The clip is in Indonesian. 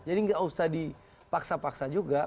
jadi enggak usah dipaksa paksa juga